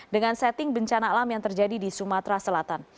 dengan setting bencana alam yang terjadi di sumatera selatan